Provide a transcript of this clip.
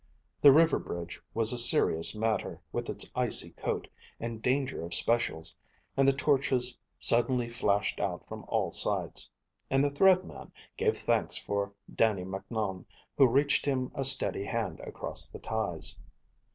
The river bridge was a serious matter with its icy coat, and danger of specials, and the torches suddenly flashed out from all sides; and the Thread Man gave thanks for Dannie Macnoun, who reached him a steady hand across the ties.